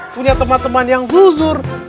punya teman teman yang gugur